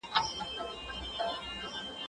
زه ځواب نه ليکم!!